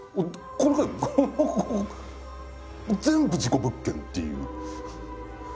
これがこの全部事故物件っていう。